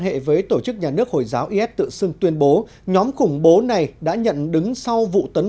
hệ với tổ chức nhà nước hồi giáo is tự xưng tuyên bố nhóm khủng bố này đã nhận đứng sau vụ tấn